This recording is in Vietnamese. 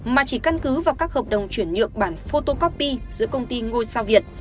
mà chỉ căn cứ vào các hợp đồng chuyển nhượng bản photocopy giữa công ty ngôi sao việt